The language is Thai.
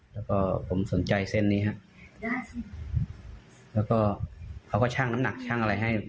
แล้วก็ผมสนใจเส้นนี้ฮะแล้วก็เขาก็ชั่งน้ำหนักช่างอะไรให้